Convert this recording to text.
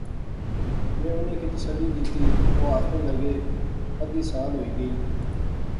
میں انیں کی تسلی دیتی۔ او آخنے لغے، ادھی سال ہوئی گئی